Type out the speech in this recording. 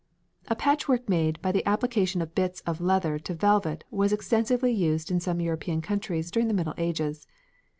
A patchwork made by the application of bits of leather to velvet was extensively used in some European countries during the Middle Ages.